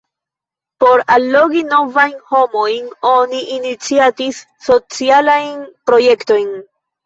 Por allogi novajn homojn oni iniciatis socialajn projektojn.